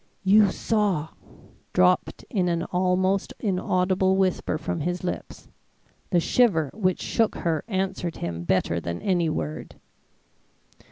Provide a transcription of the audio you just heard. "You saw!" dropped in an almost inaudible whisper from his lips. The shiver which shook her answered him better than any word.